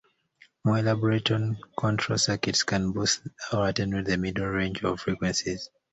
More elaborate tone control circuits can boost or attenuate the middle range of frequencies.